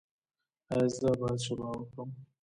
ایا زه باید شوروا وخورم؟